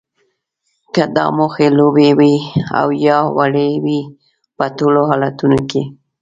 که دا موخې لویې وي او یا وړې وي په ټولو حالتونو کې